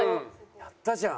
やったじゃん！